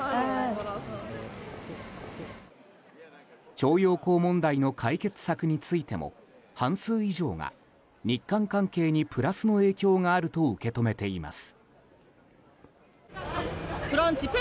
徴用工問題の解決策についても半数以上が日韓関係にプラスの影響があると受け止めています。